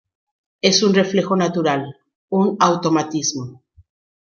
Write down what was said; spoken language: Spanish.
Es un reflejo natural, un automatismo.